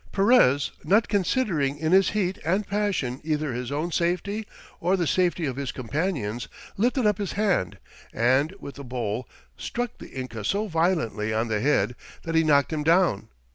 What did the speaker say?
Perez, not considering in his heat and passion either his own safety or the safety of his Companions, lifted up his hand, and with the bowl struck the Inca so violently on the head, that he knocked him down.